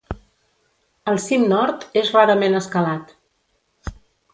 El cim nord és rarament escalat.